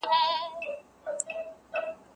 علمي پوهه د تجربې په پایله کي حاصلیږي.